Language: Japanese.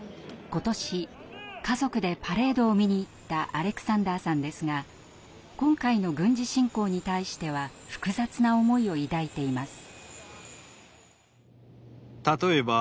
今年家族でパレードを見に行ったアレクサンダーさんですが今回の軍事侵攻に対しては複雑な思いを抱いています。